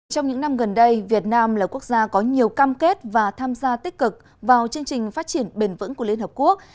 trong những năm gần đây việt nam là quốc gia có nhiều cam kết và tham gia tích cực vào chương trình phát triển bền vững của liên hợp quốc